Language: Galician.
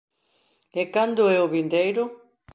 E cando é o vindeiro...